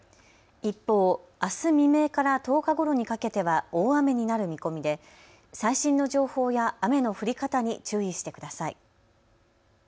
一方、あす未明から１０日ごろにかけては大雨になる見込みで最新の情報や雨の降り方に注意してください。